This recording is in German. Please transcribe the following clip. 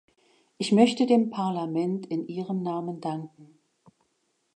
Ich möchte dem Parlament in ihrem Namen danken.